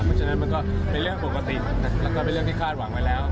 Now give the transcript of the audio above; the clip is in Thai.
เพราะฉะนั้นมันก็เป็นเรื่องปกติแล้วก็เป็นเรื่องที่คาดหวังไว้แล้ว